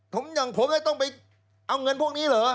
ผมก็ต้องไปเอาเงินพวกนี้เหรอ